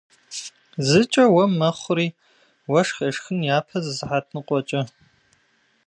Зыкӏэ уэм мэхъури уэшх къешхын япэ зы сыхьэт ныкъуэкӏэ!